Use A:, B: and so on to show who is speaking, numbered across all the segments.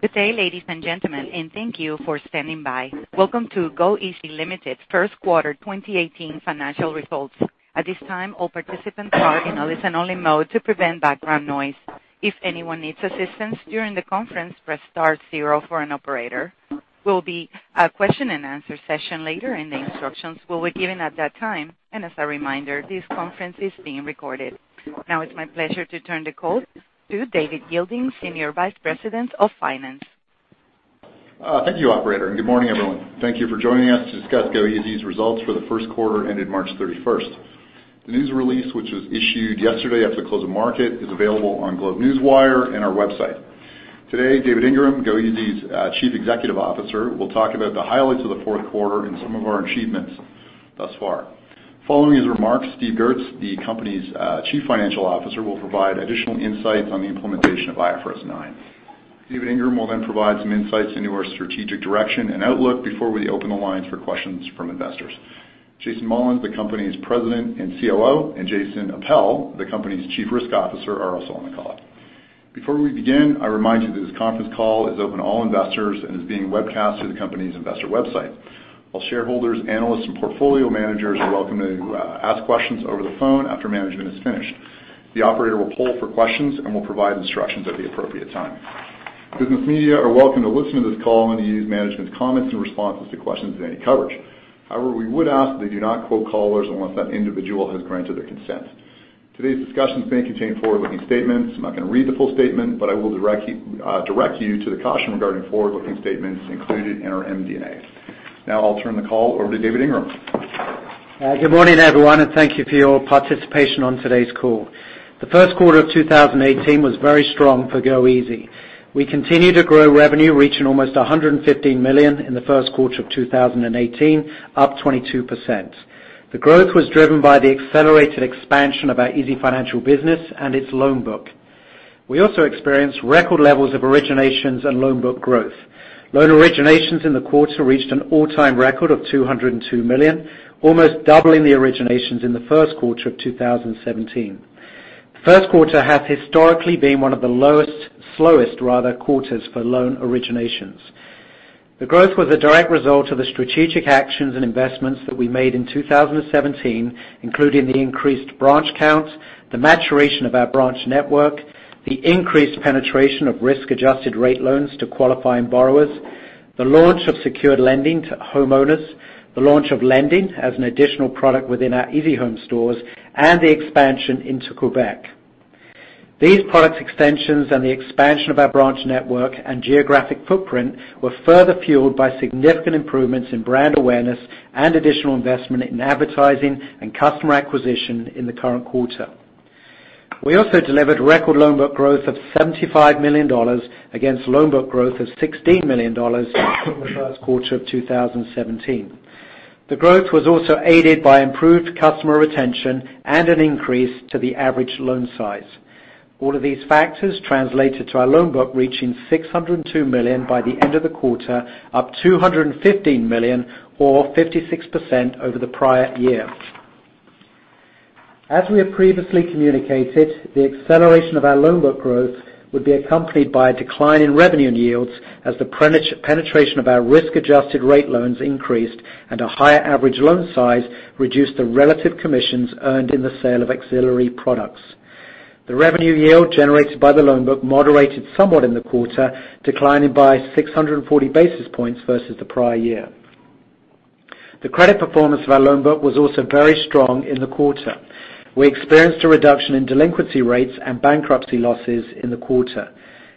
A: Good day, ladies and gentlemen, and thank you for standing by. Welcome to goeasy Limited's first quarter, 2018 financial results. At this time, all participants are in a listen-only mode to prevent background noise. If anyone needs assistance during the conference, press star zero for an operator. There will be a question-and-answer session later, and the instructions will be given at that time. And as a reminder, this conference is being recorded. Now, it's my pleasure to turn the call to David Yeilding, Senior Vice President of Finance.
B: Thank you, operator, and good morning, everyone. Thank you for joining us to discuss goeasy's results for the first quarter ended March 31st. The news release, which was issued yesterday after the close of market, is available on GlobeNewswire and our website. Today, David Ingram, goeasy's Chief Executive Officer, will talk about the highlights of the fourth quarter and some of our achievements thus far. Following his remarks, Steve Goertz, the company's Chief Financial Officer, will provide additional insights on the implementation of IFRS 9. David Ingram will then provide some insights into our strategic direction and outlook before we open the lines for questions from investors. Jason Mullins, the company's President and COO, and Jason Appel, the company's Chief Risk Officer, are also on the call.
C: Before we begin, I remind you that this conference call is open to all investors and is being webcasted to the company's investor website. While shareholders, analysts, and portfolio managers are welcome to ask questions over the phone after management is finished, the operator will poll for questions and will provide instructions at the appropriate time. Business media are welcome to listen to this call and to use management's comments and responses to questions in any coverage. However, we would ask that you do not quote callers unless that individual has granted their consent. Today's discussions may contain forward-looking statements. I'm not going to read the full statement, but I will direct you to the caution regarding forward-looking statements included in our MD&A. Now I'll turn the call over to David Ingram.
D: Good morning, everyone, and thank you for your participation on today's call. The first quarter of 2018 was very strong for goeasy. We continued to grow revenue, reaching almost 115 million in the first quarter of 2018, up 22%. The growth was driven by the accelerated expansion of our easyfinancial business and its loan book. We also experienced record levels of originations and loan book growth. Loan originations in the quarter reached an all-time record of 202 million, almost doubling the originations in the first quarter of 2017. The first quarter has historically been one of the lowest slowest, rather, quarters for loan originations. The growth was a direct result of the strategic actions and investments that we made in 2017, including the increased branch count, the maturation of our branch network, the increased penetration of risk-adjusted rate loans to qualifying borrowers, the launch of secured lending to homeowners, the launch of lending as an additional product within our easyhome stores, and the expansion into Quebec. These product extensions and the expansion of our branch network and geographic footprint were further fueled by significant improvements in brand awareness and additional investment in advertising and customer acquisition in the current quarter. We also delivered record loan book growth of 75 million dollars against loan book growth of 16 million dollars in the first quarter of 2017. The growth was also aided by improved customer retention and an increase to the average loan size.
C: All of these factors translated to our loan book, reaching 602 million by the end of the quarter, up 215 million or 56% over the prior year. As we have previously communicated, the acceleration of our loan book growth would be accompanied by a decline in revenue and yields as the penetration of our risk-adjusted rate loans increased and a higher average loan size reduced the relative commissions earned in the sale of auxiliary products. The revenue yield generated by the loan book moderated somewhat in the quarter, declining by 640 basis points versus the prior year. The credit performance of our loan book was also very strong in the quarter. We experienced a reduction in delinquency rates and bankruptcy losses in the quarter.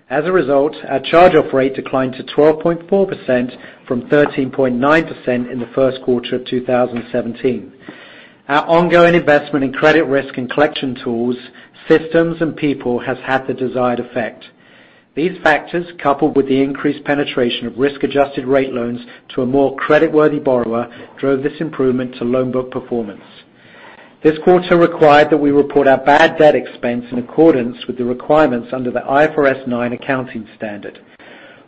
C: As a result, our charge-off rate declined to 12.4% from 13.9% in the first quarter of 2017. Our ongoing investment in credit risk and collection tools, systems, and people has had the desired effect. These factors, coupled with the increased penetration of risk-adjusted rate loans to a more creditworthy borrower, drove this improvement to loan book performance. This quarter required that we report our bad debt expense in accordance with the requirements under the IFRS 9 accounting standard.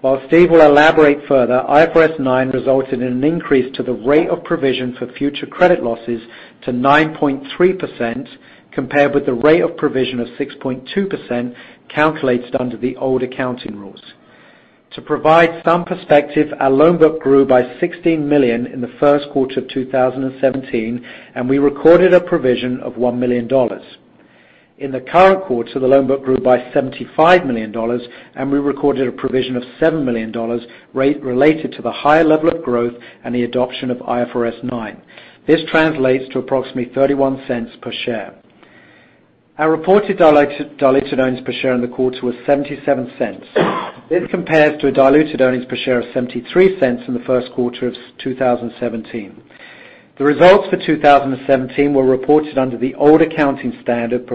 C: While Steve will elaborate further, IFRS 9 resulted in an increase to the rate of provision for future credit losses to 9.3%, compared with the rate of provision of 6.2%, calculated under the old accounting rules. To provide some perspective, our loan book grew by 16 million in the first quarter of 2017, and we recorded a provision of 1 million dollars. In the current quarter, the loan book grew by 75 million dollars, and we recorded a provision of 7 million dollars, rate related to the higher level of growth and the adoption of IFRS 9. This translates to approximately 0.31 per share. Our reported diluted earnings per share in the quarter was 0.77. This compares to a diluted earnings per share of 0.73 in the first quarter of 2017. The results for 2017 were reported under the old accounting standard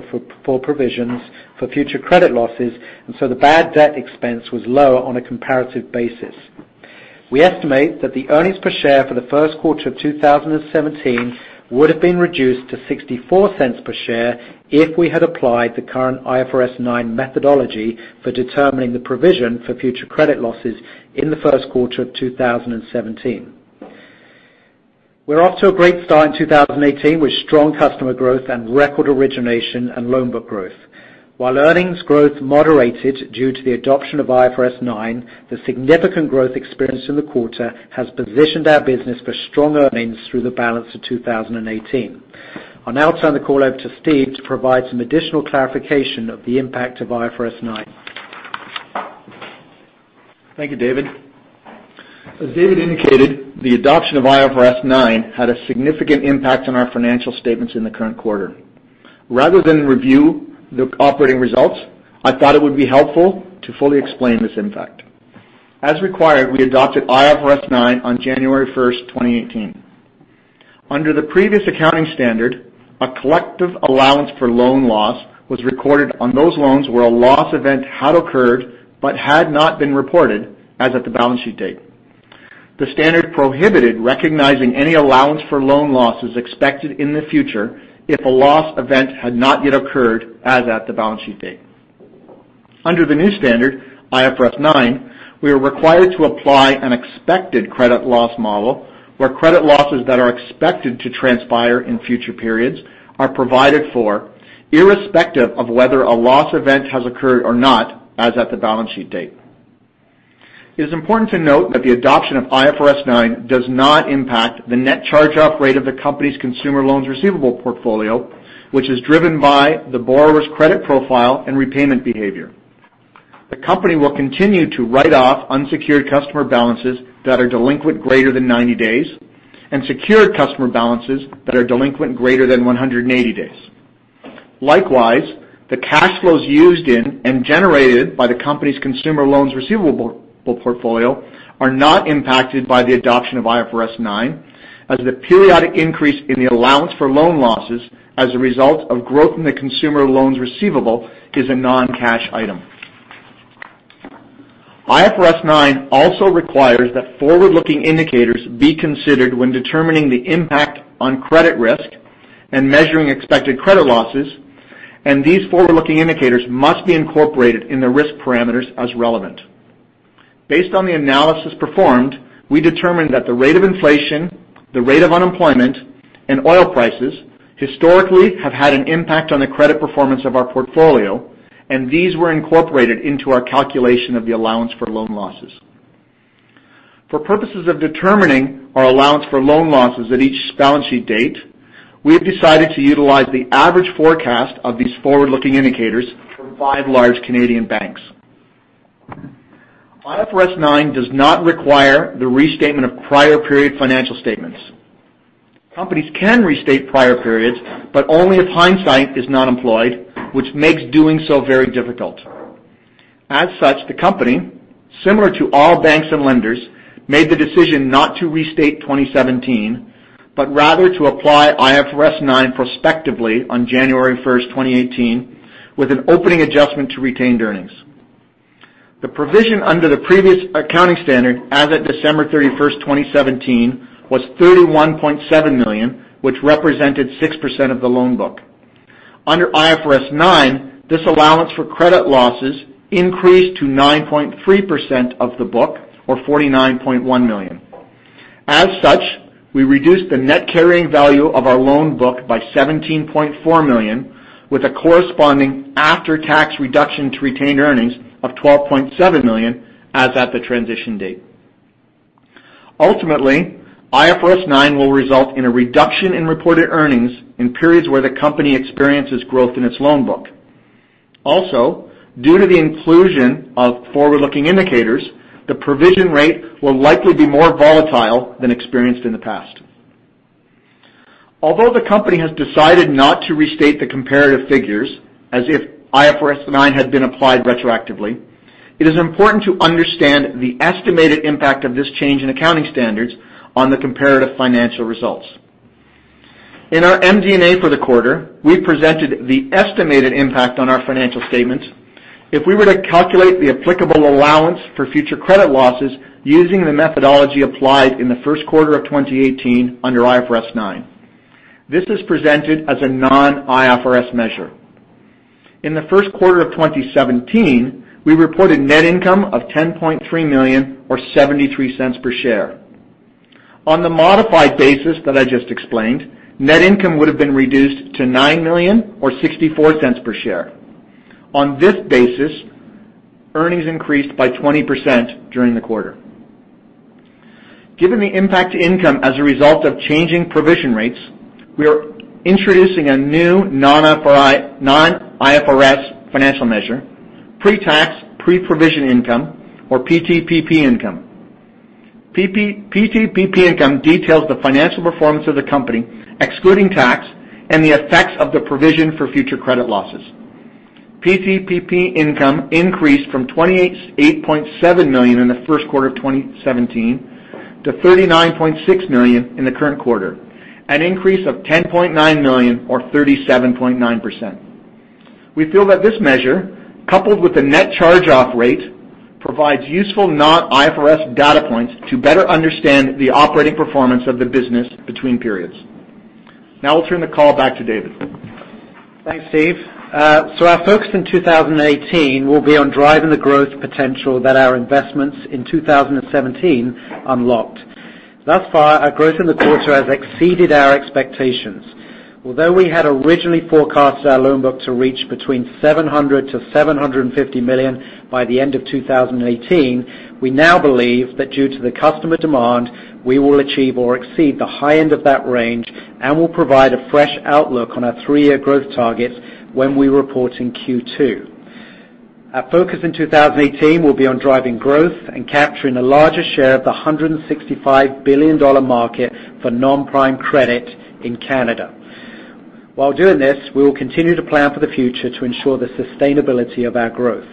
C: for provisions for future credit losses, and so the bad debt expense was lower on a comparative basis. We estimate that the earnings per share for the first quarter of two thousand and seventeen would have been reduced to 0.64 per share if we had applied the current IFRS 9 methodology for determining the provision for future credit losses in the first quarter of 2017. We're off to a great start in 2018, with strong customer growth and record origination and loan book growth. While earnings growth moderated due to the adoption of IFRS 9, the significant growth experienced in the quarter has positioned our business for strong earnings through the balance of 2018. I'll now turn the call over to Steve to provide some additional clarification of the impact of IFRS 9.
E: Thank you, David. As David indicated, the adoption of IFRS 9 had a significant impact on our financial statements in the current quarter. Rather than review the operating results, I thought it would be helpful to fully explain this impact. As required, we adopted IFRS 9 on January 1st, 2018. Under the previous accounting standard, a collective allowance for loan losses was recorded on those loans where a loss event had occurred but had not been reported as at the balance sheet date. The standard prohibited recognizing any allowance for loan losses expected in the future if a loss event had not yet occurred as at the balance sheet date.
C: Under the new standard, IFRS 9, we are required to apply an expected credit loss model, where credit losses that are expected to transpire in future periods are provided for, irrespective of whether a loss event has occurred or not as at the balance sheet date. It is important to note that the adoption of IFRS 9 does not impact the net charge-off rate of the company's consumer loans receivable portfolio, which is driven by the borrower's credit profile and repayment behavior. The company will continue to write off unsecured customer balances that are delinquent greater than 90 and secured customer balances that are delinquent greater than 180 days. Likewise, the cash flows used in and generated by the company's consumer loans receivable portfolio are not impacted by the adoption of IFRS 9, as the periodic increase in the allowance for loan losses as a result of growth in the consumer loans receivable is a non-cash item. IFRS 9 also requires that forward-looking indicators be considered when determining the impact on credit risk and measuring expected credit losses, and these forward-looking indicators must be incorporated in the risk parameters as relevant. Based on the analysis performed, we determined that the rate of inflation, the rate of unemployment, and oil prices historically have had an impact on the credit performance of our portfolio, and these were incorporated into our calculation of the allowance for loan losses. For purposes of determining our allowance for loan losses at each balance sheet date, we have decided to utilize the average forecast of these forward-looking indicators from five large Canadian banks. IFRS 9 does not require the restatement of prior period financial statements. Companies can restate prior periods, but only if hindsight is not employed, which makes doing so very difficult. As such, the company, similar to all banks and lenders, made the decision not to restate 2017, but rather to apply IFRS 9 prospectively on January 1st, 2018, with an opening adjustment to retained earnings. The provision under the previous accounting standard as of December 31st, 2017, was 31.7 million, which represented 6% of the loan book. Under IFRS 9, this allowance for credit losses increased to 9.3% of the book, or CAD 49.1 million.
E: As such, we reduced the net carrying value of our loan book by 17.4 million, with a corresponding after-tax reduction to retained earnings of 12.7 million as at the transition date. Ultimately, IFRS 9 will result in a reduction in reported earnings in periods where the company experiences growth in its loan book. Also, due to the inclusion of forward-looking indicators, the provision rate will likely be more volatile than experienced in the past. Although the company has decided not to restate the comparative figures as if IFRS 9 had been applied retroactively, it is important to understand the estimated impact of this change in accounting standards on the comparative financial results.
C: In our MD&A for the quarter, we presented the estimated impact on our financial statements if we were to calculate the applicable allowance for future credit losses using the methodology applied in the first quarter of 2018 under IFRS 9. This is presented as a non-IFRS measure. In the first quarter of 2017, we reported net income of 10.3 million, or 0.73 per share. On the modified basis that I just explained, net income would have been reduced to 9 million or 0.64 per share. On this basis, earnings increased by 20% during the quarter. Given the impact to income as a result of changing provision rates, we are introducing a new non-IFRS financial measure, pre-tax, pre-provision income, or PTPP income. PTPP income details the financial performance of the company, excluding tax and the effects of the provision for future credit losses. PTPP income increased from 28.7 million in the first quarter of 2017 to 39.6 million in the current quarter, an increase of 10.9 million or 37.9%. We feel that this measure, coupled with the net charge-off rate, provides useful non-IFRS data points to better understand the operating performance of the business between periods. Now I'll turn the call back to David.
D: Thanks, Steve. So our focus in 2018 will be on driving the growth potential that our investments in 2017 unlocked. Thus far, our growth in the quarter has exceeded our expectations. Although we had originally forecasted our loan book to reach between 700 million to 750 million by the end of 2018, we now believe that due to the customer demand, we will achieve or exceed the high end of that range and will provide a fresh outlook on our three-year growth targets when we report in Q2. Our focus in 2018 will be on driving growth and capturing a larger share of the 165 billion-dollar market for non-prime credit in Canada. While doing this, we will continue to plan for the future to ensure the sustainability of our growth.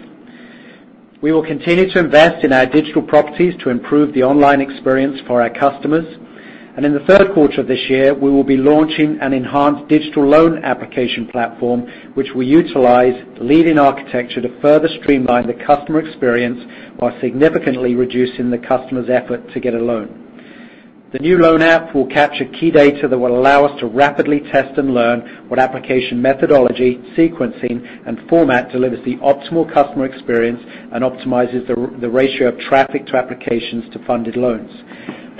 C: We will continue to invest in our digital properties to improve the online experience for our customers, and in the third quarter of this year, we will be launching an enhanced digital loan application platform, which will utilize leading architecture to further streamline the customer experience while significantly reducing the customer's effort to get a loan. The new loan app will capture key data that will allow us to rapidly test and learn what application methodology, sequencing, and format delivers the optimal customer experience and optimizes the ratio of traffic to applications to funded loans.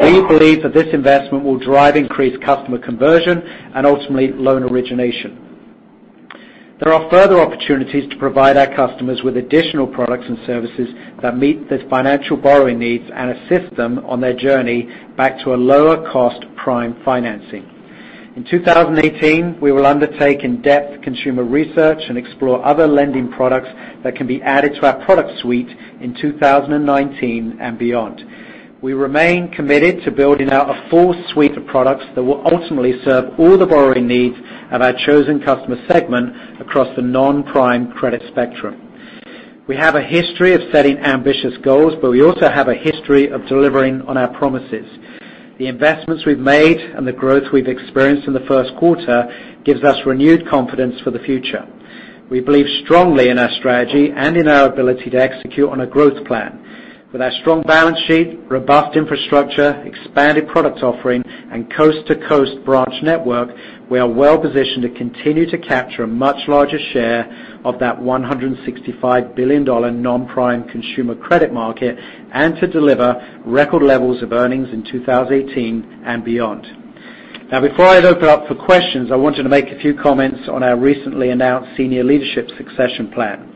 C: We believe that this investment will drive increased customer conversion and ultimately, loan origination. There are further opportunities to provide our customers with additional products and services that meet their financial borrowing needs and assist them on their journey back to a lower-cost prime financing. In 2018, we will undertake in-depth consumer research and explore other lending products that can be added to our product suite in 2019 and beyond. We remain committed to building out a full suite of products that will ultimately serve all the borrowing needs of our chosen customer segment across the non-prime credit spectrum. We have a history of setting ambitious goals, but we also have a history of delivering on our promises. The investments we've made and the growth we've experienced in the first quarter gives us renewed confidence for the future. We believe strongly in our strategy and in our ability to execute on a growth plan. With our strong balance sheet, robust infrastructure, expanded product offering, and coast-to-coast branch network, we are well positioned to continue to capture a much larger share of that 165 billion dollar non-prime consumer credit market and to deliver record levels of earnings in 2018 and beyond. Now, before I open up for questions, I wanted to make a few comments on our recently announced senior leadership succession plan.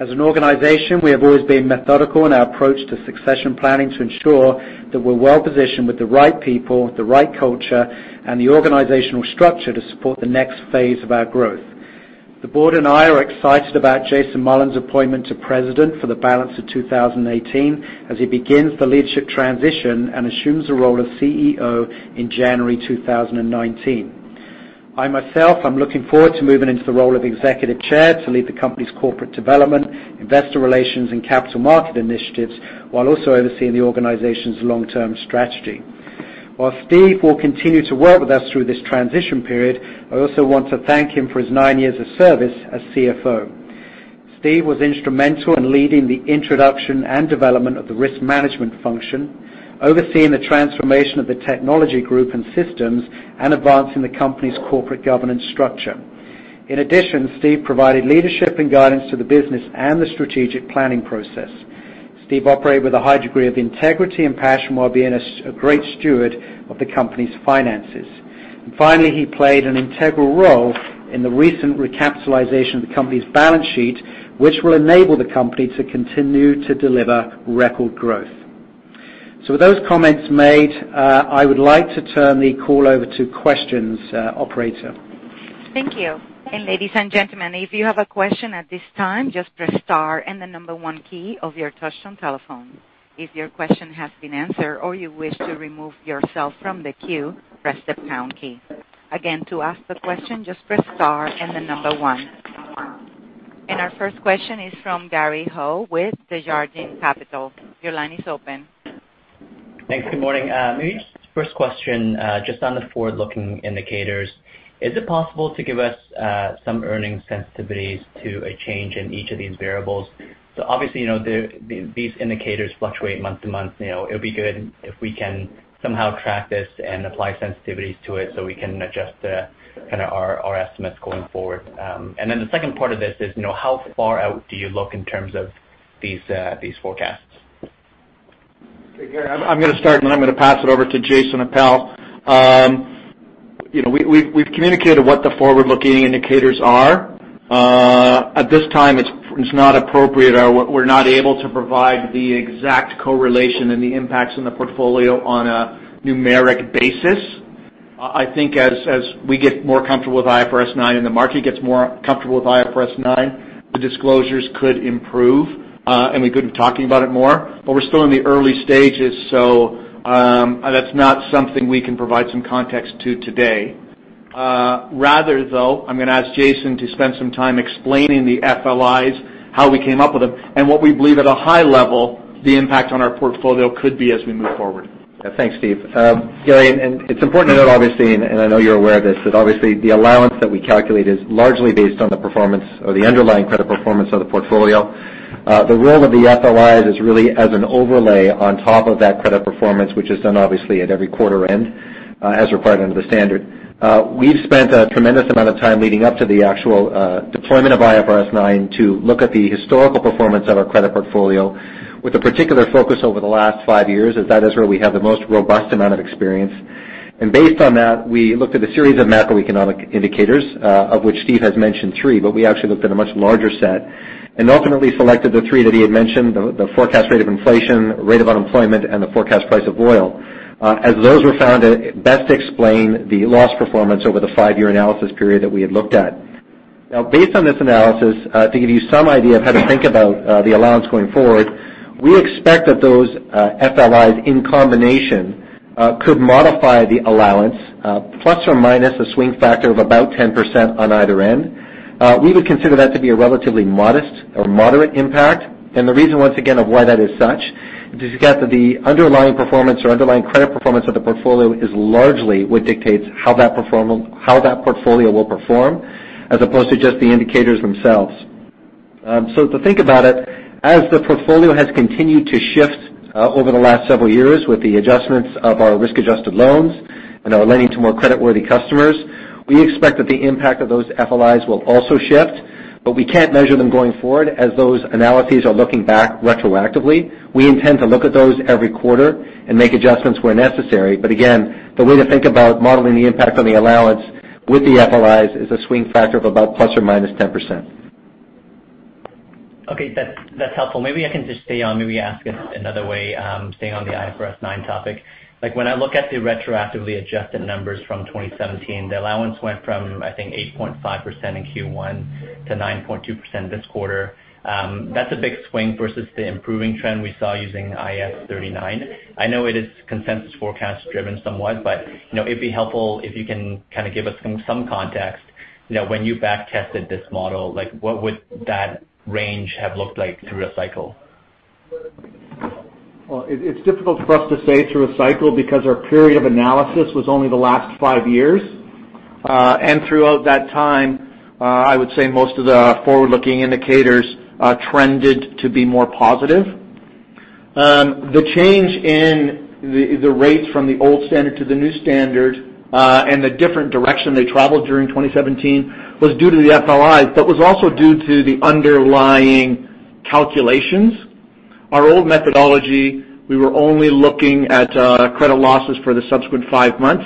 C: As an organization, we have always been methodical in our approach to succession planning to ensure that we're well positioned with the right people, the right culture, and the organizational structure to support the next phase of our growth. The board and I are excited about Jason Mullins's appointment to President for the balance of 2018, as he begins the leadership transition and assumes the role of CEO in January 2019. I myself, I'm looking forward to moving into the role of Executive Chair to lead the company's corporate development, investor relations, and capital market initiatives, while also overseeing the organization's long-term strategy. While Steve will continue to work with us through this transition period, I also want to thank him for his nine years of service as CFO. Steve was instrumental in leading the introduction and development of the risk management function, overseeing the transformation of the technology group and systems, and advancing the company's corporate governance structure. In addition, Steve provided leadership and guidance to the business and the strategic planning process. Steve operated with a high degree of integrity and passion while being a great steward of the company's finances and finally, he played an integral role in the recent recapitalization of the company's balance sheet, which will enable the company to continue to deliver record growth, so with those comments made, I would like to turn the call over to questions, operator.
A: Thank you. And ladies and gentlemen, if you have a question at this time, just press star and the number one key of your touchtone telephone. If your question has been answered or you wish to remove yourself from the queue, press the pound key. Again, to ask a question, just press star and the number one. And our first question is from Gary Ho with Desjardins Capital Markets. Your line is open.
F: Thanks. Good morning. Maybe just first question, just on the forward-looking indicators. Is it possible to give us some earnings sensitivities to a change in each of these variables? So obviously, you know, these indicators fluctuate month to month. You know, it would be good if we can somehow track this and apply sensitivities to it, so we can adjust kind of our estimates going forward. And then the second part of this is, you know, how far out do you look in terms of these forecasts?
D: Hey, Gary, I'm gonna start, and then I'm gonna pass it over to Jason Appel. You know, we've communicated what the forward-looking indicators are. At this time, it's not appropriate or we're not able to provide the exact correlation and the impacts in the portfolio on a numeric basis. I think as we get more comfortable with IFRS 9 and the market gets more comfortable with IFRS 9, the disclosures could improve, and we could be talking about it more, but we're still in the early stages, so that's not something we can provide some context to today. Rather though, I'm gonna ask Jason to spend some time explaining the FLIs, how we came up with them, and what we believe at a high level, the impact on our portfolio could be as we move forward.
G: Thanks, Steve. Gary, it's important to note, obviously, I know you're aware of this, that obviously the allowance that we calculated is largely based on the performance or the underlying credit performance of the portfolio. The role of the FLIs is really as an overlay on top of that credit performance, which is done obviously at every quarter end, as required under the standard. We've spent a tremendous amount of time leading up to the actual deployment of IFRS 9 to look at the historical performance of our credit portfolio, with a particular focus over the last five years, as that is where we have the most robust amount of experience.
C: And based on that, we looked at a series of macroeconomic indicators, of which Steve has mentioned three, but we actually looked at a much larger set, and ultimately selected the three that he had mentioned, the forecast rate of inflation, rate of unemployment, and the forecast price of oil, as those were found to best explain the loss performance over the five-year analysis period that we had looked at. Now, based on this analysis, to give you some idea of how to think about the allowance going forward, we expect that those FLIs, in combination, could modify the allowance, plus or minus a swing factor of about 10% on either end. We would consider that to be a relatively modest or moderate impact. The reason, once again, of why that is such, is because the underlying performance or underlying credit performance of the portfolio is largely what dictates how that portfolio will perform, as opposed to just the indicators themselves. So to think about it, as the portfolio has continued to shift over the last several years with the adjustments of our risk-adjusted loans and our lending to more creditworthy customers, we expect that the impact of those FLIs will also shift, but we can't measure them going forward as those analyses are looking back retroactively. We intend to look at those every quarter and make adjustments where necessary. But again, the way to think about modeling the impact on the allowance with the FLIs is a swing factor of about plus or minus 10%.
F: Okay, that's helpful. Maybe I can just stay on, maybe ask it another way, staying on the IFRS 9 topic. Like, when I look at the retroactively adjusted numbers from 2017, the allowance went from, I think, 8.5% in Q1 to 9.2% this quarter. That's a big swing versus the improving trend we saw using IAS 39. I know it is consensus forecast driven somewhat, but, you know, it'd be helpful if you can kind of give us some context. You know, when you back tested this model, like, what would that range have looked like through a cycle?
E: It's difficult for us to say through a cycle because our period of analysis was only the last five years. Throughout that time, I would say most of the forward-looking indicators trended to be more positive. The change in the rates from the old standard to the new standard and the different direction they traveled during 2017 was due to the FLIs, but was also due to the underlying calculations. Our old methodology, we were only looking at credit losses for the subsequent five months.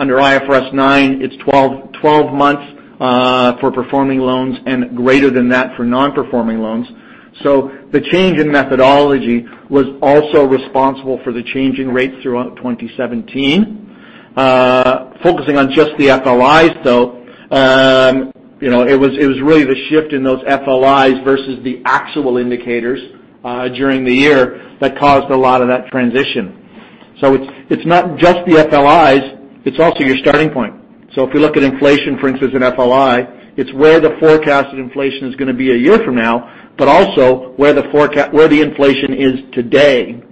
E: Under IFRS 9, it's 12 months for performing loans and greater than that for non-performing loans. The change in methodology was also responsible for the changing rates throughout 2017.
C: Focusing on just the FLIs, though, you know, it was really the shift in those FLIs versus the actual indicators during the year that caused a lot of that transition. So it's not just the FLIs, it's also your starting point. So if you look at inflation, for instance, in FLI, it's where the forecasted inflation is going to be a year from now, but also where the inflation is today.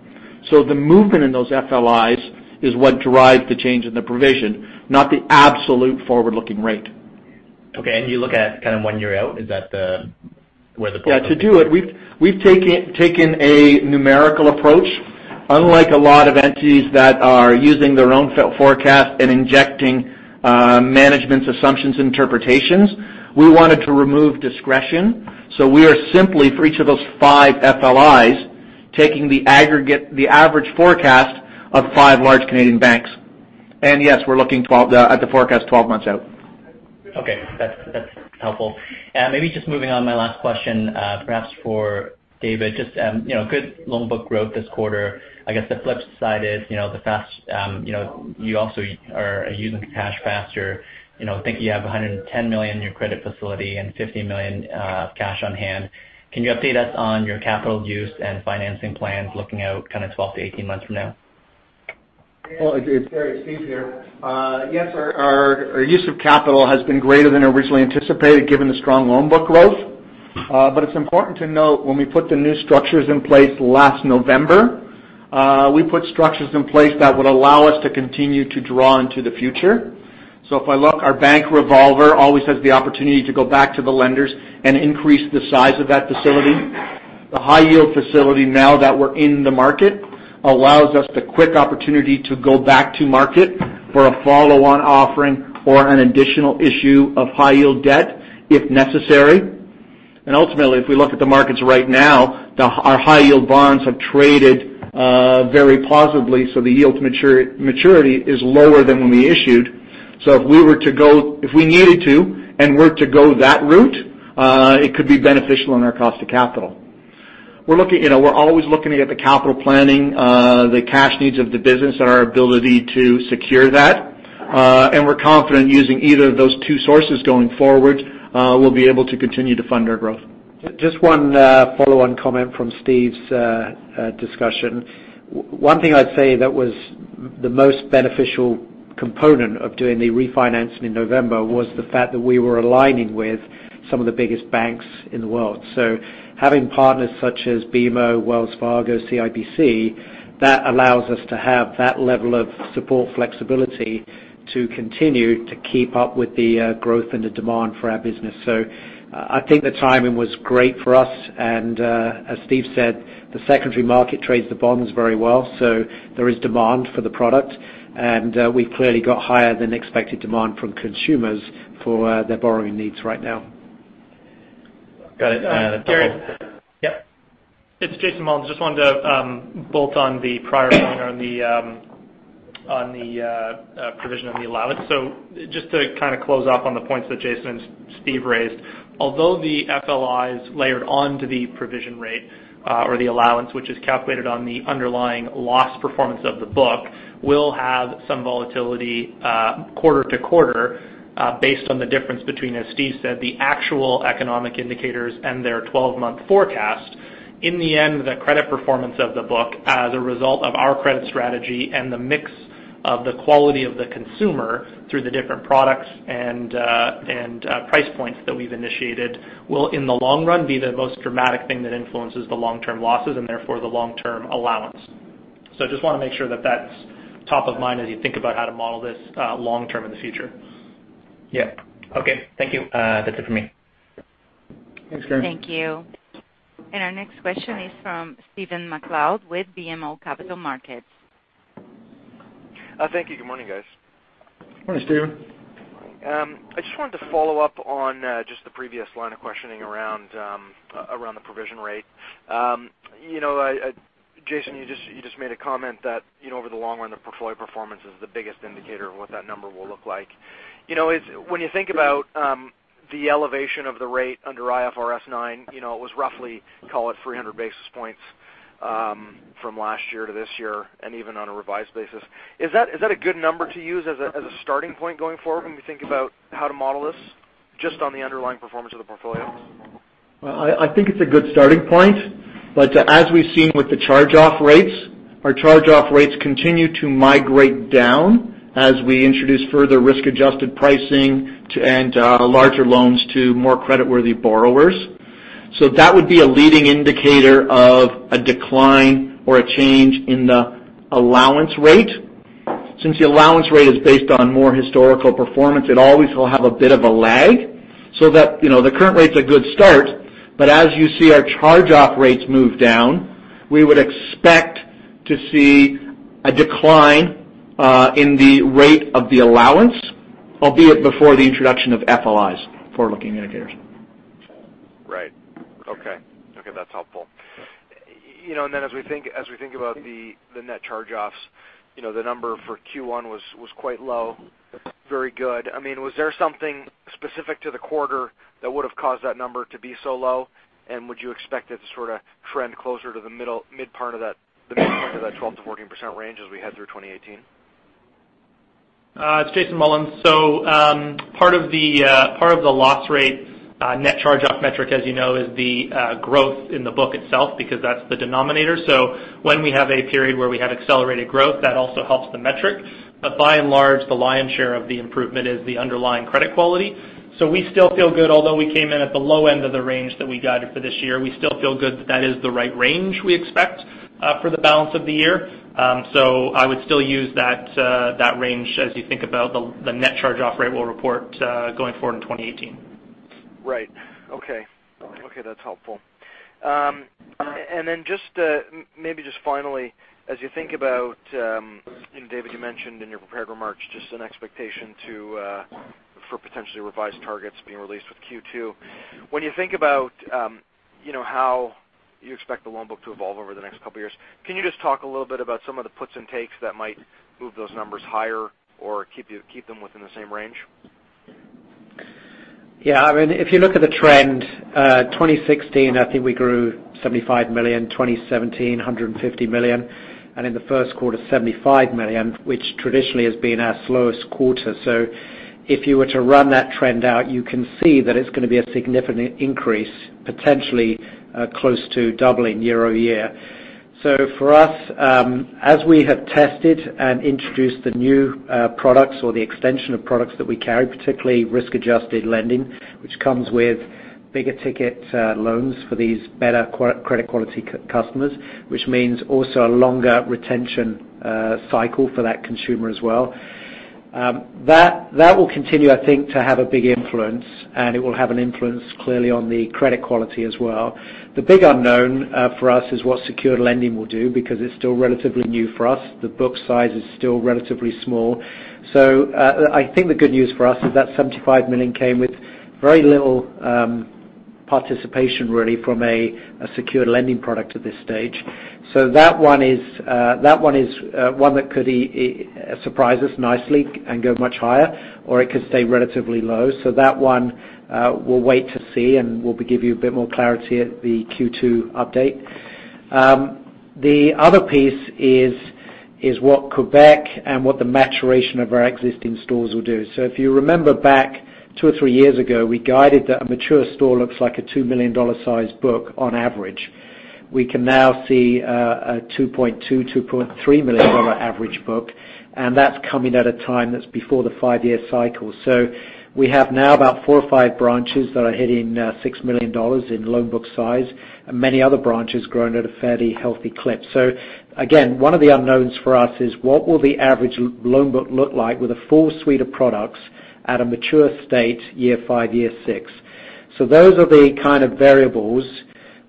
C: So the movement in those FLIs is what derives the change in the provision, not the absolute forward-looking rate.
F: Okay. And you look at kind of one year out, is that the, where the.
E: Yeah, to do it, we've taken a numerical approach. Unlike a lot of entities that are using their own forecast and injecting management's assumptions and interpretations, we wanted to remove discretion. So we are simply, for each of those five FLIs, taking the average forecast of five large Canadian banks. And yes, we're looking at the forecast 12 months out.
F: Okay. That's, that's helpful. Maybe just moving on, my last question, perhaps for David. Just, you know, good loan book growth this quarter. I guess the flip side is, you know, the fast, you know, you also are using the cash faster. You know, I think you have 110 million in your credit facility and 50 million cash on hand. Can you update us on your capital use and financing plans looking out kind of 12-18 months from now?
E: It's Steve here. Yes, our use of capital has been greater than originally anticipated, given the strong loan book growth, but it's important to note when we put the new structures in place last November, we put structures in place that would allow us to continue to draw into the future, so if I look, our bank revolver always has the opportunity to go back to the lenders and increase the size of that facility. The high-yield facility, now that we're in the market, allows us the quick opportunity to go back to market for a follow-on offering or an additional issue of high-yield debt, if necessary, and ultimately, if we look at the markets right now, our high-yield bonds have traded very positively, so the yield to maturity is lower than when we issued.
C: So if we were to go, if we needed to, and were to go that route, it could be beneficial in our cost of capital. We're looking. You know, we're always looking at the capital planning, the cash needs of the business and our ability to secure that. And we're confident using either of those two sources going forward, we'll be able to continue to fund our growth.
G: Just one follow-on comment from Steve's discussion. One thing I'd say that was the most beneficial component of doing the refinancing in November was the fact that we were aligning with some of the biggest banks in the world. Having partners such as BMO, Wells Fargo, CIBC that allows us to have that level of support flexibility to continue to keep up with the growth and the demand for our business. I think the timing was great for us. As Steve said, the secondary market trades the bonds very well, so there is demand for the product, and we've clearly got higher than expected demand from consumers for their borrowing needs right now.
D: Got it. Gary?
H: Yep. It's Jason Mullins. Just wanted to build on the prior one on the provision on the allowance. So just to kind of close off on the points that Jason and Steve raised, although the FLI is layered onto the provision rate or the allowance, which is calculated on the underlying loss performance of the book, will have some volatility quarter to quarter, based on the difference between, as Steve said, the actual economic indicators and their twelve-month forecast. In the end, the credit performance of the book as a result of our credit strategy and the mix of the quality of the consumer through the different products and price points that we've initiated, will, in the long run, be the most dramatic thing that influences the long-term losses and therefore the long-term allowance.
C: So I just want to make sure that that's top of mind as you think about how to model this, long term in the future.
F: Yeah. Okay. Thank you. That's it for me.
E: Thanks, Gary.
A: Thank you, and our next question is from Stephen MacLeod with BMO Capital Markets.
I: Thank you. Good morning, guys.
E: Good morning, Steven.
I: I just wanted to follow up on just the previous line of questioning around the provision rate. You know, Jason, you just made a comment that, you know, over the long run, the portfolio performance is the biggest indicator of what that number will look like. You know, when you think about the elevation of the rate under IFRS 9, you know, it was roughly, call it, 300 basis points from last year to this year, and even on a revised basis. Is that a good number to use as a starting point going forward when we think about how to model this just on the underlying performance of the portfolio?
E: Well, I think it's a good starting point, but as we've seen with the charge-off rates, our charge-off rates continue to migrate down as we introduce further risk-adjusted pricing and larger loans to more creditworthy borrowers. So that would be a leading indicator of a decline or a change in the allowance rate. Since the allowance rate is based on more historical performance, it always will have a bit of a lag, so that, you know, the current rate's a good start. But as you see our charge-off rates move down, we would expect to see a decline in the rate of the allowance, albeit before the introduction of FLIs, forward-looking indicators.
I: Right. Okay. Okay, that's helpful. You know, and then as we think about the net charge-offs, you know, the number for Q1 was quite low, very good. I mean, was there something specific to the quarter that would have caused that number to be so low? And would you expect it to sort of trend closer to the mid part of that 12%-14% range as we head through 2018?
H: It's Jason Mullins. So, part of the loss rate, net charge-off metric, as you know, is the growth in the book itself, because that's the denominator. So when we have a period where we have accelerated growth, that also helps the metric. But by and large, the lion's share of the improvement is the underlying credit quality. So we still feel good, although we came in at the low end of the range that we guided for this year, we still feel good that that is the right range we expect for the balance of the year. So I would still use that range as you think about the net charge-off rate we'll report going forward in 2018.
I: Right. Okay. Okay, that's helpful. And then just, maybe just finally, as you think about, and David, you mentioned in your prepared remarks, just an expectation to, for potentially revised targets being released with Q2. When you think about, you know, how you expect the loan book to evolve over the next couple of years, can you just talk a little bit about some of the puts and takes that might move those numbers higher or keep them within the same range?
D: Yeah, I mean, if you look at the trend, 2016, I think we grew 75 million, 2017, 150 million, and in the first quarter, 75 million, which traditionally has been our slowest quarter. So if you were to run that trend out, you can see that it's going to be a significant increase, potentially close to doubling year over year. So for us, as we have tested and introduced the new products or the extension of products that we carry, particularly risk-adjusted lending, which comes with bigger ticket loans for these better credit quality customers, which means also a longer retention cycle for that consumer as well. That will continue, I think, to have a big influence, and it will have an influence, clearly, on the credit quality as well.
C: The big unknown for us is what secured lending will do, because it's still relatively new for us. The book size is still relatively small. So I think the good news for us is that 75 million came with very little participation, really, from a secured lending product at this stage. So that one is one that could surprise us nicely and go much higher, or it could stay relatively low. So that one we'll wait to see, and we'll give you a bit more clarity at the Q2 update. The other piece is what Quebec and what the maturation of our existing stores will do. So if you remember back two or three years ago, we guided that a mature store looks like a 2 million dollar dollar-sized book on average. We can now see a 2.2-2.3 million dollar average book, and that's coming at a time that's before the five-year cycle. So we have now about four or five branches that are hitting 6 million dollars in loan book size, and many other branches growing at a fairly healthy clip. So again, one of the unknowns for us is what will the average loan book look like with a full suite of products at a mature state, year five, year six? So those are the kind of variables.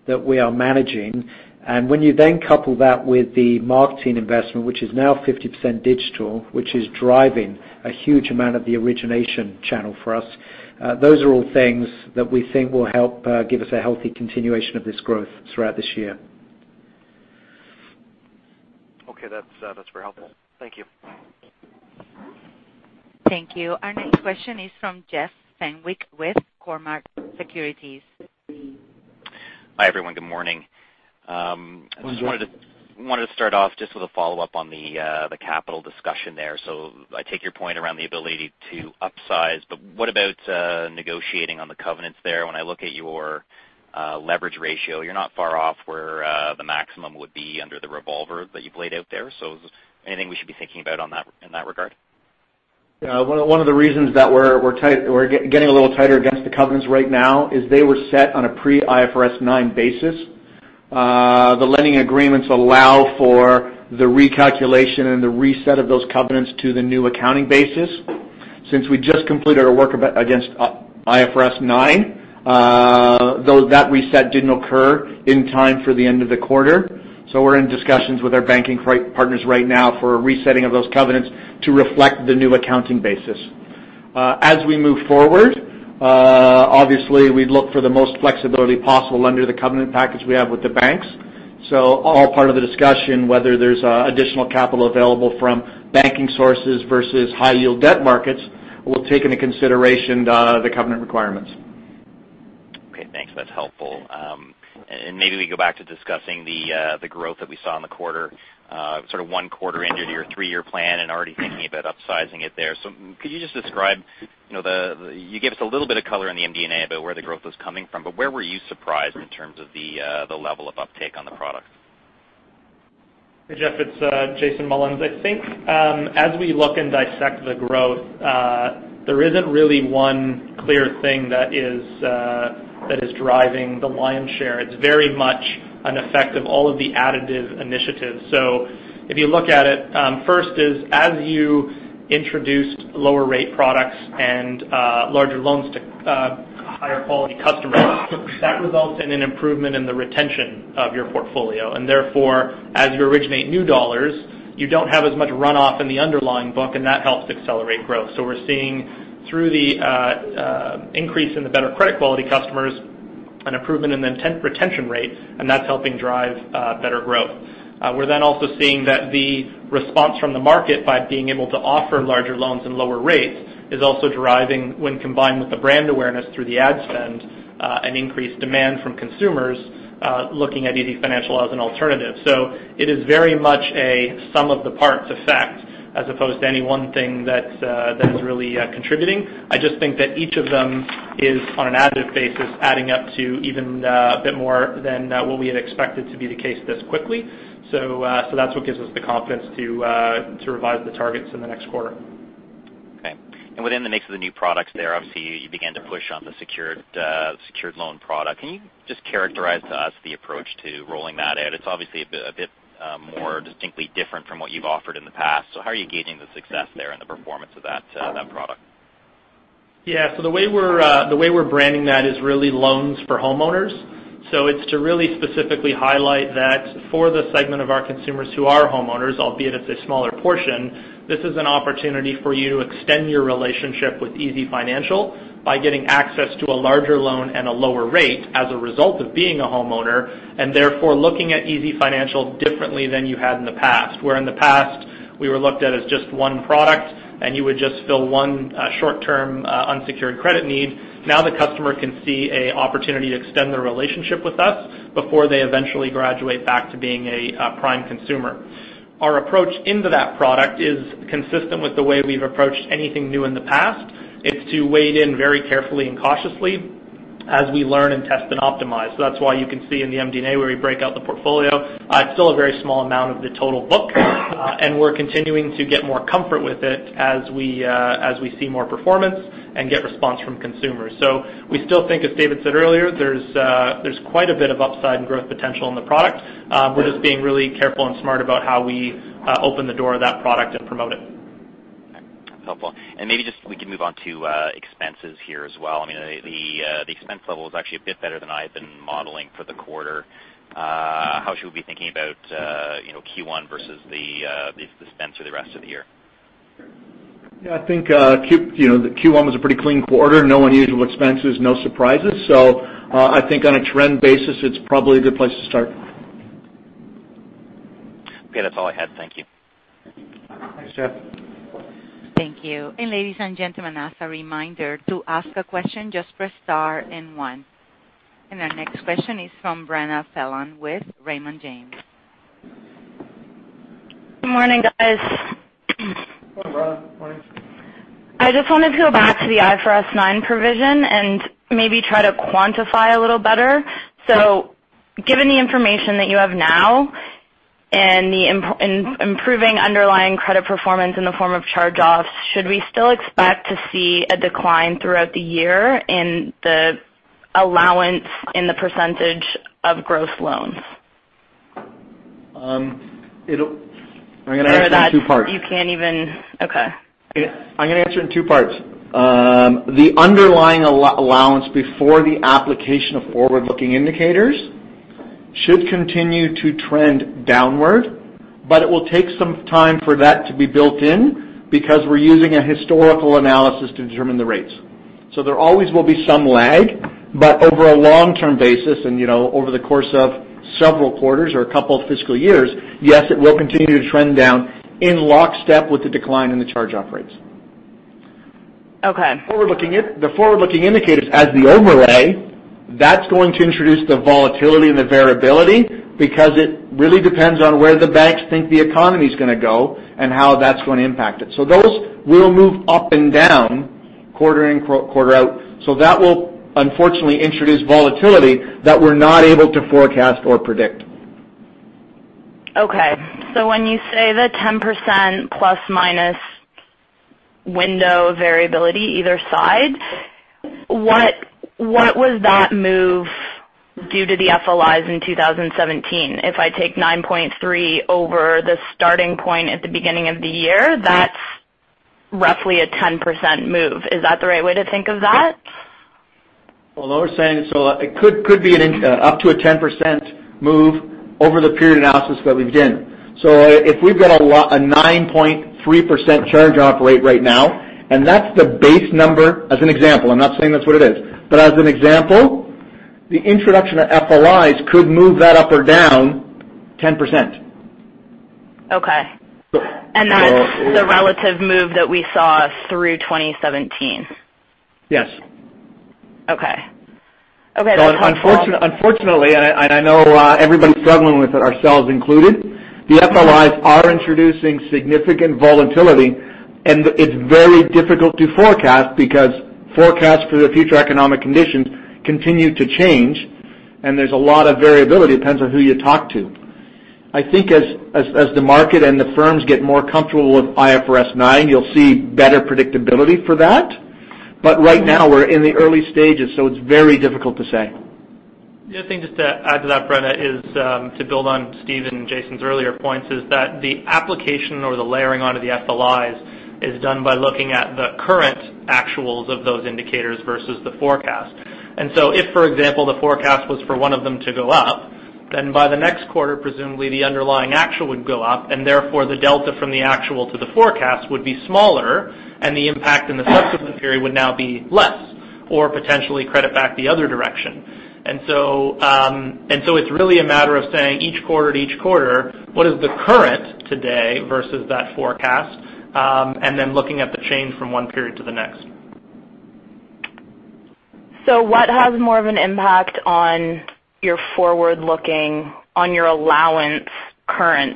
C: That we are managing. And when you then couple that with the marketing investment, which is now 50% digital, which is driving a huge amount of the origination channel for us, those are all things that we think will help, give us a healthy continuation of this growth throughout this year.
I: Okay, that's very helpful. Thank you.
A: Thank you. Our next question is from Jeff Fenwick with Cormark Securities.
J: Hi, everyone. Good morning.
E: Good morning.
J: I just wanted to start off just with a follow-up on the capital discussion there. So I take your point around the ability to upsize, but what about negotiating on the covenants there? When I look at your leverage ratio, you're not far off where the maximum would be under the revolver that you've laid out there. So anything we should be thinking about on that in that regard?
E: Yeah. One of the reasons that we're getting a little tighter against the covenants right now is they were set on a pre-IFRS 9 basis. The lending agreements allow for the recalculation and the reset of those covenants to the new accounting basis. Since we just completed our work against IFRS 9, though that reset didn't occur in time for the end of the quarter. So we're in discussions with our banking partners right now for a resetting of those covenants to reflect the new accounting basis. As we move forward, obviously, we look for the most flexibility possible under the covenant package we have with the banks. So all part of the discussion, whether there's additional capital available from banking sources versus high yield debt markets, we'll take into consideration the covenant requirements.
J: Okay, thanks. That's helpful. And maybe we go back to discussing the growth that we saw in the quarter, sort of one quarter into your three-year plan and already thinking about upsizing it there. So could you just describe, you know, the. You gave us a little bit of color in the MD&A about where the growth was coming from, but where were you surprised in terms of the level of uptake on the product?
H: Hey, Jeff, it's Jason Mullins. I think, as we look and dissect the growth, there isn't really one clear thing that is, that is driving the lion's share. It's very much an effect of all of the additive initiatives. So if you look at it, first is, as you introduced lower rate products and, larger loans to, higher quality customers, that results in an improvement in the retention of your portfolio. And therefore, as you originate new dollars, you don't have as much runoff in the underlying book, and that helps accelerate growth. So we're seeing through the increase in the better credit quality customers, an improvement in the retention rates, and that's helping drive, better growth. We're then also seeing that the response from the market by being able to offer larger loans and lower rates is also deriving, when combined with the brand awareness through the ad spend, an increased demand from consumers looking at easyfinancial as an alternative. So it is very much a sum of the parts effect, as opposed to any one thing that is really contributing. I just think that each of them is, on an additive basis, adding up to even a bit more than what we had expected to be the case this quickly. So that's what gives us the confidence to revise the targets in the next quarter.
J: Okay. And within the mix of the new products there, obviously, you began to push on the secured secured loan product. Can you just characterize to us the approach to rolling that out? It's obviously a bit more distinctly different from what you've offered in the past. So how are you gauging the success there and the performance of that product?
H: Yeah. So the way we're branding that is really Loans for Homeowners. So it's to really specifically highlight that for the segment of our consumers who are homeowners, albeit it's a smaller portion, this is an opportunity for you to extend your relationship with easyfinancial by getting access to a larger loan at a lower rate as a result of being a homeowner, and therefore, looking at easyfinancial differently than you had in the past. Where in the past, we were looked at as just one product, and you would just fill one short-term unsecured credit need. Now, the customer can see an opportunity to extend their relationship with us before they eventually graduate back to being a prime consumer. Our approach into that product is consistent with the way we've approached anything new in the past.
C: It's to wade in very carefully and cautiously as we learn and test and optimize. So that's why you can see in the MD&A, where we break out the portfolio, it's still a very small amount of the total book, and we're continuing to get more comfort with it as we see more performance and get response from consumers. So we still think, as David said earlier, there's quite a bit of upside and growth potential in the product. We're just being really careful and smart about how we open the door of that product and promote it.
J: Okay. Helpful. And maybe just we can move on to expenses here as well. I mean, the expense level is actually a bit better than I had been modeling for the quarter. How should we be thinking about, you know, Q1 versus the expense for the rest of the year?
E: Yeah, I think, you know, the Q1 was a pretty clean quarter. No unusual expenses, no surprises. So, I think on a trend basis, it's probably a good place to start.
J: Okay, that's all I had. Thank you.
E: Thanks, Jeff.
A: Thank you. And ladies and gentlemen, as a reminder, to ask a question, just press star and one. And our next question is from Brenna Phelan with Raymond James.
C: Good morning, guys.
E: Hello, Brenna. Good morning.
C: I just wanted to go back to the IFRS 9 provision and maybe try to quantify a little better. So given the information that you have now and the improving underlying credit performance in the form of charge-offs, should we still expect to see a decline throughout the year in the allowance in the percentage of gross loans?
E: It'll. I'm gonna answer in two parts.
C: You can't even. Okay.
E: I'm gonna answer in two parts. The underlying allowance before the application of forward-looking indicators should continue to trend downward, but it will take some time for that to be built in because we're using a historical analysis to determine the rates. So there always will be some lag, but over a long-term basis and, you know, over the course of several quarters or a couple of fiscal years, yes, it will continue to trend down in lockstep with the decline in the charge-off rates.
C: Okay.
E: Forward-looking, the forward-looking indicators as the overlay, that's going to introduce the volatility and the variability because it really depends on where the banks think the economy is gonna go and how that's going to impact it. So those will move up and down quarter in, quarter out. So that will, unfortunately, introduce volatility that we're not able to forecast or predict.
C: Okay, so when you say the 10% plus minus window variability either side, what was that move due to the FLIs in 2017? If I take 9.3 over the starting point at the beginning of the year, that's roughly a 10% move. Is that the right way to think of that?
E: What we're saying, so it could be up to a 10% move over the period analysis that we've done. So if we've got a 9.3% charge-off rate right now, and that's the base number, as an example, I'm not saying that's what it is. But as an example, the introduction of FLIs could move that up or down 10%.
C: Okay.
E: So-
C: And that's the relative move that we saw through 2017?
E: Yes.
C: Okay. Okay, that's helpful.
E: So unfortunately, I know everybody's struggling with it, ourselves included, the FLIs are introducing significant volatility, and it's very difficult to forecast because forecasts for the future economic conditions continue to change, and there's a lot of variability, depends on who you talk to. I think as the market and the firms get more comfortable with IFRS 9, you'll see better predictability for that. But right now, we're in the early stages, so it's very difficult to say.
D: The other thing, just to add to that, Brenna, is, to build on Steve and Jason's earlier points, is that the application or the layering onto the FLIs is done by looking at the current actuals of those indicators versus the forecast. And so if, for example, the forecast was for one of them to go up, then by the next quarter, presumably the underlying actual would go up, and therefore, the delta from the actual to the forecast would be smaller, and the impact in the subsequent period would now be less or potentially credit back the other direction. And so it's really a matter of saying each quarter to each quarter, what is the current today versus that forecast? And then looking at the change from one period to the next.
C: So what has more of an impact on your forward-looking, on your current allowance?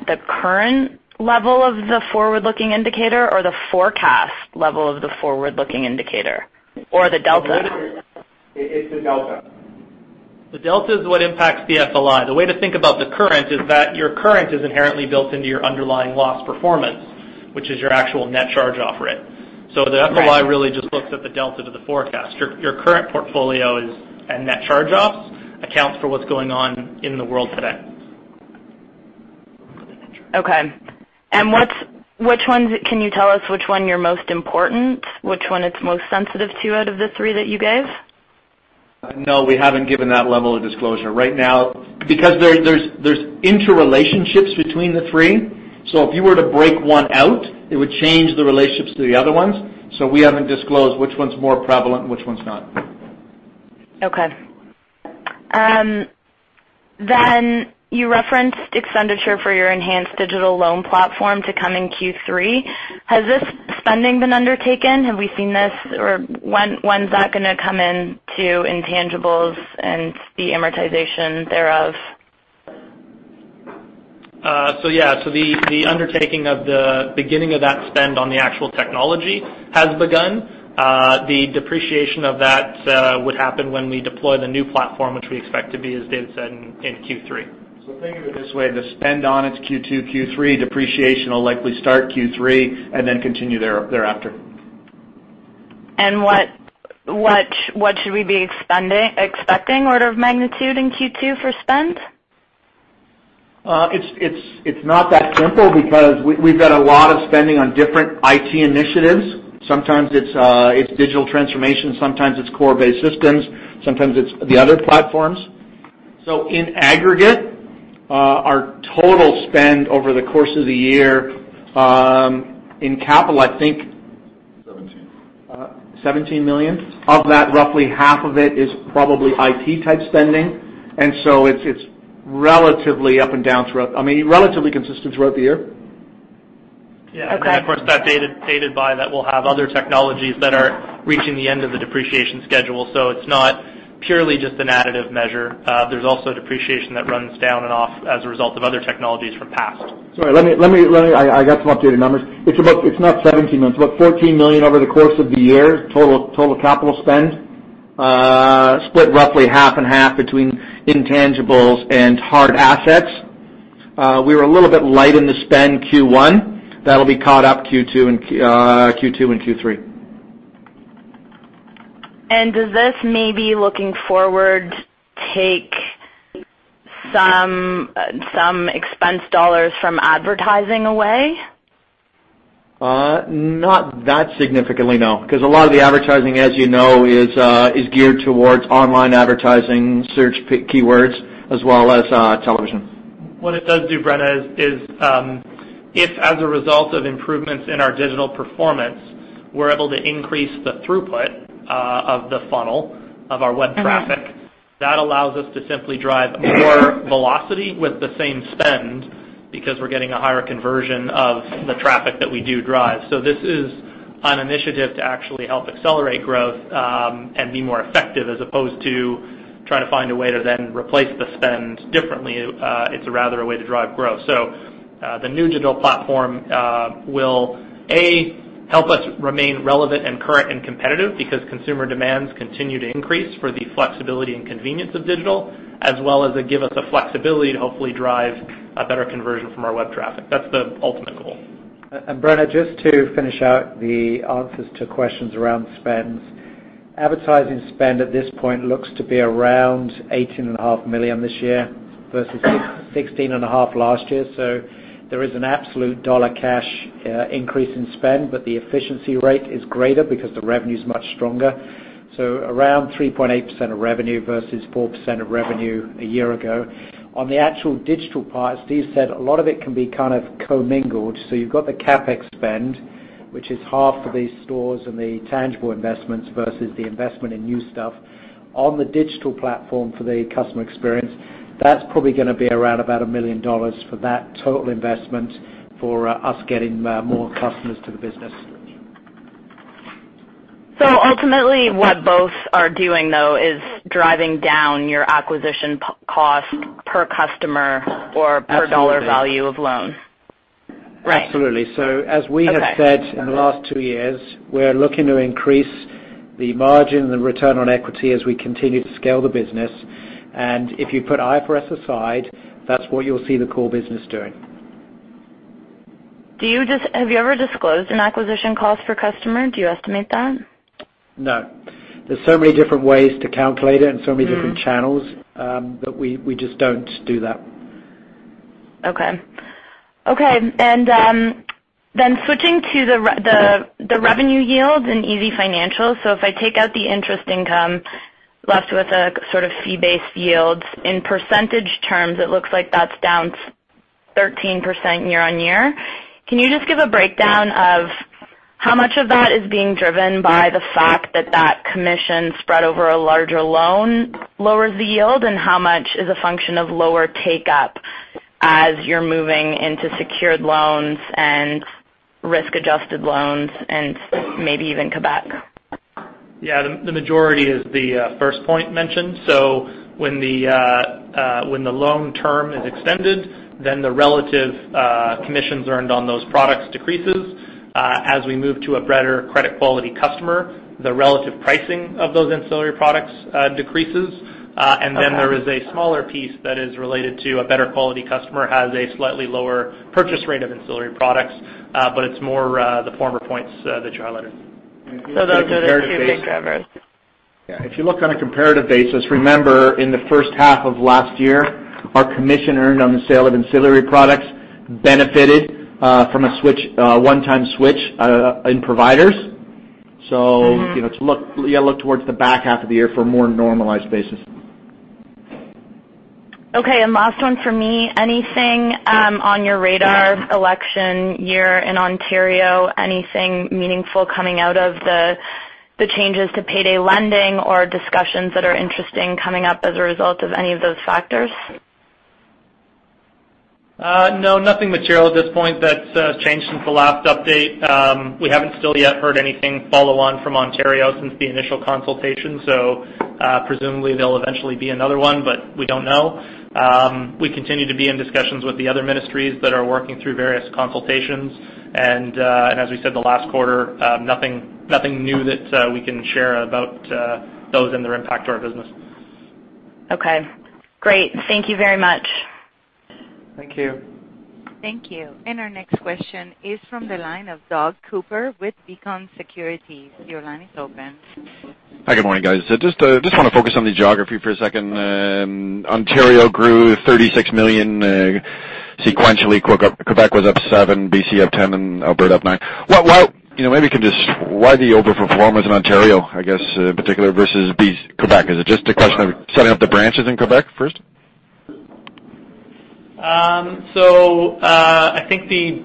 C: The current level of the forward-looking indicator or the forecast level of the forward-looking indicator or the delta?
E: It's the delta.
D: The delta is what impacts the FLI. The way to think about the current is that your current is inherently built into your underlying loss performance, which is your actual net charge-off rate.
C: Right.
D: So the FLI really just looks at the delta to the forecast. Your current portfolio is, and net charge-offs, accounts for what's going on in the world today.
C: Okay. And what's - which one, can you tell us which one your most important, which one it's most sensitive to out of the three that you gave?
E: No, we haven't given that level of disclosure. Right now, because there's interrelationships between the three, so if you were to break one out, it would change the relationships to the other ones. So we haven't disclosed which one's more prevalent and which one's not.
C: Okay. Then you referenced expenditure for your enhanced digital loan platform to come in Q3. Has this spending been undertaken? Have we seen this, or when, when's that gonna come in to intangibles and the amortization thereof?
H: So yeah. So the undertaking of the beginning of that spend on the actual technology has begun. The depreciation of that would happen when we deploy the new platform, which we expect to be, as David said, in Q3.
E: So think of it this way: the spend on its Q2, Q3. Depreciation will likely start Q3 and then continue thereafter.
C: What should we be expecting order of magnitude in Q2 for spend?
E: It's not that simple because we've got a lot of spending on different IT initiatives. Sometimes it's digital transformation, sometimes it's core-based systems, sometimes it's the other platforms. So in aggregate, our total spend over the course of the year, in capital, I think-
H: 17.
E: 17 million. Of that, roughly CAD 8.5 million is probably IT-type spending, and so it's relatively up and down throughout. I mean, relatively consistent throughout the year.
C: Okay.
H: Yeah, and of course, that's data gated by that we'll have other technologies that are reaching the end of the depreciation schedule, so it's not purely just an additive measure. There's also depreciation that runs down and off as a result of other technologies from past.
E: Sorry, I got some updated numbers. It's not 17 million. It's about 14 million over the course of the year, total capital spend, split roughly half and half between intangibles and hard assets. We were a little bit light in the spend Q1. That'll be caught up Q2 and Q3.
C: And does this maybe, looking forward, take some expense dollars from advertising away?
D: Not that significantly, no. Because a lot of the advertising, as you know, is geared towards online advertising, search keywords, as well as television.
H: What it does do, Brenna, is if as a result of improvements in our digital performance, we're able to increase the throughput of the funnel of our web traffic.
C: Mm-hmm.
H: That allows us to simply drive more velocity with the same spend because we're getting a higher conversion of the traffic that we do drive. So this is an initiative to actually help accelerate growth, and be more effective, as opposed to trying to find a way to then replace the spend differently, it's rather a way to drive growth. So, the new digital platform, will, A, help us remain relevant and current and competitive because consumer demands continue to increase for the flexibility and convenience of digital, as well as it give us the flexibility to hopefully drive a better conversion from our web traffic. That's the ultimate goal.
D: Brenna, just to finish out the answers to questions around spends. Advertising spend at this point looks to be around 18.5 million this year versus 16.5 million last year. So there is an absolute dollar cash increase in spend, but the efficiency rate is greater because the revenue is much stronger. So around 3.8% of revenue versus 4% of revenue a year ago. On the actual digital part, Steve said a lot of it can be kind of commingled. So you've got the CapEx spend, which is half for these stores and the tangible investments versus the investment in new stuff. On the digital platform for the customer experience, that's probably going to be around about 1 million dollars for that total investment for us getting more customers to the business.
C: So ultimately, what both are doing, though, is driving down your acquisition cost per customer or.
D: Absolutely.
C: Per dollar value of loan. Right.
D: Absolutely. So as we have-
C: Okay
D: Said in the last two years, we're looking to increase the margin and the return on equity as we continue to scale the business, and if you put IFRS aside, that's what you'll see the core business doing.
C: Have you ever disclosed an acquisition cost per customer? Do you estimate that?
D: No. There's so many different ways to calculate it.
C: Mm-hmm.
D: And so many different channels, that we just don't do that.
C: Okay, and then switching to the revenue yield and easyfinancial. So if I take out the interest income left with a sort of fee-based yields in percentage terms, it looks like that's down 13% year on year. Can you just give a breakdown of how much of that is being driven by the fact that that commission spread over a larger loan lowers the yield, and how much is a function of lower take up as you're moving into secured loans and risk-adjusted loans and maybe even Quebec?
H: Yeah, the majority is the first point mentioned. So when the loan term is extended, then the relative commissions earned on those products decreases. As we move to a better credit quality customer, the relative pricing of those ancillary products decreases. And then there is a smaller piece that is related to a better quality customer has a slightly lower purchase rate of ancillary products, but it's more the former points that you highlighted.
C: So those are the two big drivers.
D: Yeah. If you look on a comparative basis, remember, in the first half of last year, our commission earned on the sale of ancillary products benefited from a one-time switch in providers.
C: Mm-hmm.
D: You know, you look towards the back half of the year for a more normalized basis.
C: Okay, and last one for me. Anything on your radar election year in Ontario, anything meaningful coming out of the changes to payday lending or discussions that are interesting coming up as a result of any of those factors?
H: No, nothing material at this point that's changed since the last update. We haven't still yet heard anything follow on from Ontario since the initial consultation, so, presumably, there'll eventually be another one, but we don't know. We continue to be in discussions with the other ministries that are working through various consultations, and, and as we said, the last quarter, nothing new that we can share about those and their impact to our business.
C: Okay, great. Thank you very much.
D: Thank you.
A: Thank you. And our next question is from the line of Doug Cooper with Beacon Securities. Your line is open.
K: Hi, good morning, guys. Just want to focus on the geography for a second. Ontario grew 36 million sequentially. Quebec was up 7 million, BC up 10 million, and Alberta up 9 million. What, why. You know, maybe you can just why the overperformance in Ontario, I guess, in particular, versus BC—Quebec? Is it just a question of setting up the branches in Quebec first?
H: I think the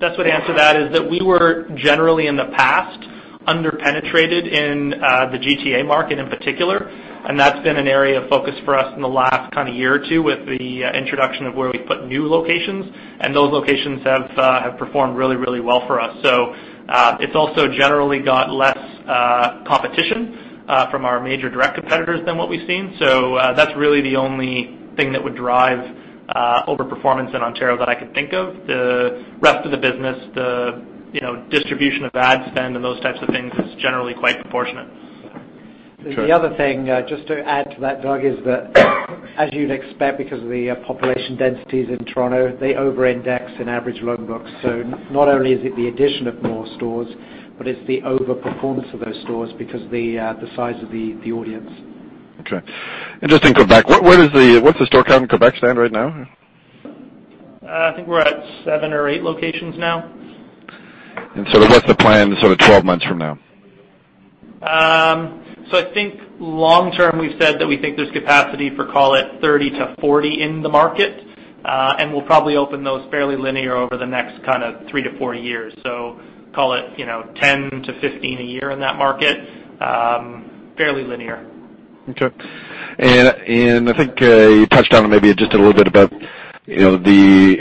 H: best way to answer that is that we were generally in the past underpenetrated in the GTA market in particular, and that's been an area of focus for us in the last kind of year or two, with the introduction of where we've put new locations, and those locations have performed really, really well for us. So, it's also generally got less competition from our major direct competitors than what we've seen. So, that's really the only thing that would drive overperformance in Ontario that I could think of. The rest of the business, you know, the distribution of ad spend and those types of things is generally quite proportionate.
D: The other thing, just to add to that, Doug, is that as you'd expect, because of the population densities in Toronto, they overindex in average loan books. So not only is it the addition of more stores, but it's the overperformance of those stores because the size of the audience.
K: Okay. And just in Quebec, what, where is the, what's the store count in Quebec stand right now?
E: I think we're at seven or eight locations now.
K: What's the plan sort of 12 months from now?
E: So I think long term, we've said that we think there's capacity for, call it, 30 to 40 in the market, and we'll probably open those fairly linear over the next kind of three to four years. So call it, you know, 10 to 15 a year in that market, fairly linear.
K: Okay. And I think you touched on maybe just a little bit about, you know, the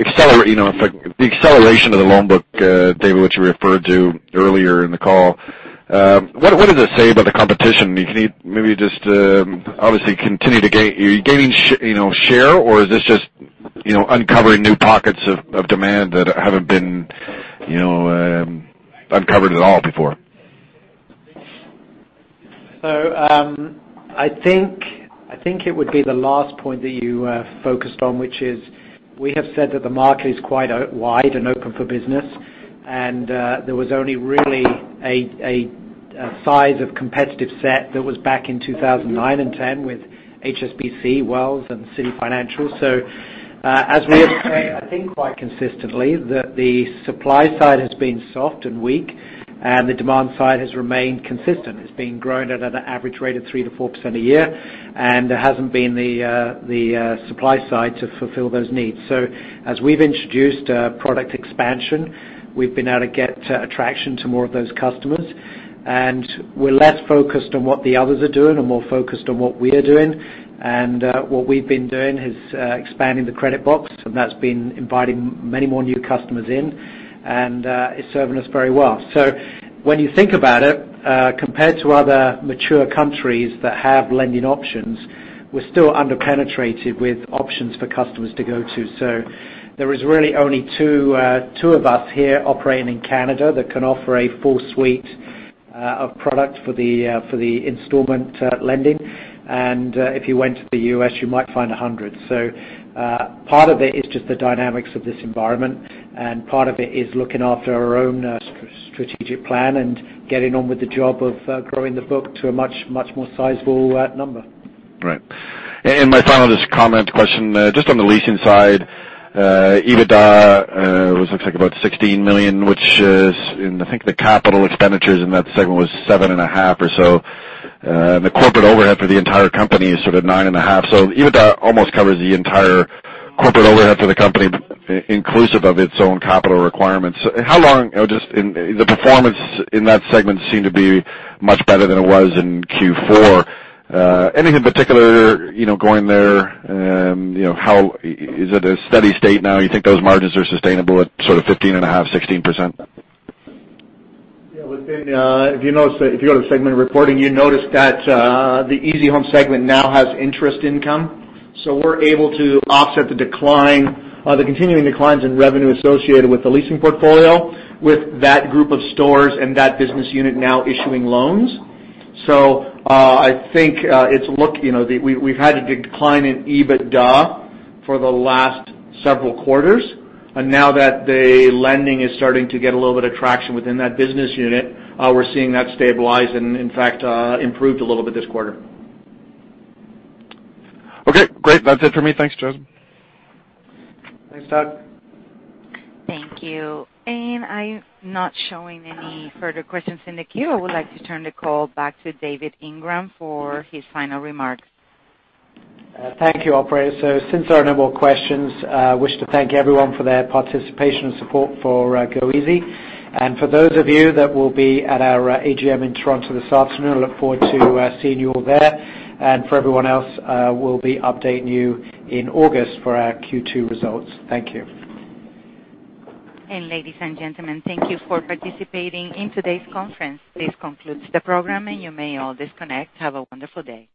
K: acceleration of the loan book, David, which you referred to earlier in the call. What does it say about the competition? Can you maybe just obviously continue to gain share? Are you gaining, you know, share, or is this just, you know, uncovering new pockets of demand that haven't been, you know, uncovered at all before?
D: So, I think, I think it would be the last point that you focused on, which is we have said that the market is quite wide open for business. And, there was only really a sizeable competitive set that was back in 2009 and 2010 with HSBC, Wells Fargo, and CitiFinancial. So, as we have said, I think quite consistently, that the supply side has been soft and weak, and the demand side has remained consistent. It's been growing at an average rate of 3%-4% a year, and there hasn't been the supply side to fulfill those needs. So as we've introduced product expansion, we've been able to get attraction to more of those customers. And we're less focused on what the others are doing and more focused on what we're doing. And what we've been doing is expanding the credit box, and that's been inviting many more new customers in, and it's serving us very well. So when you think about it, compared to other mature countries that have lending options, we're still under-penetrated with options for customers to go to. So there is really only two of us here operating in Canada that can offer a full suite of product for the installment lending. And if you went to the U.S., you might find a hundred.
C: So, part of it is just the dynamics of this environment, and part of it is looking after our own, strategic plan and getting on with the job of, growing the book to a much, much more sizable, number.
K: Right. And my final just comment question, just on the leasing side, EBITDA was looks like about 16 million, which is, and I think the capital expenditures in that segment was 7.5 or so. And the corporate overhead for the entire company is sort of 9.5. So EBITDA almost covers the entire corporate overhead for the company, inclusive of its own capital requirements. How long. Just in the performance in that segment seemed to be much better than it was in Q4. Anything in particular, you know, going there, you know, how is it a steady state now? You think those margins are sustainable at sort of 15.5, 16%?
E: Yeah, within, if you notice, if you go to the segment reporting, you notice that, the easyhome segment now has interest income. So we're able to offset the decline, the continuing declines in revenue associated with the leasing portfolio, with that group of stores and that business unit now issuing loans. So, I think, it looks, you know, we, we've had a decline in EBITDA for the last several quarters, and now that the lending is starting to get a little bit of traction within that business unit, we're seeing that stabilize and in fact, improved a little bit this quarter.
K: Okay, great. That's it for me. Thanks, Jason.
E: Thanks, Doug.
A: Thank you. And I'm not showing any further questions in the queue. I would like to turn the call back to David Ingram for his final remarks.
D: Thank you, operator. So since there are no more questions, I wish to thank everyone for their participation and support for goeasy. And for those of you that will be at our AGM in Toronto this afternoon, I look forward to seeing you all there. And for everyone else, we'll be updating you in August for our Q2 results. Thank you.
A: Ladies and gentlemen, thank you for participating in today's conference. This concludes the program, and you may all disconnect. Have a wonderful day.